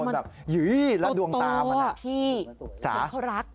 แล้วดวงตามันนะ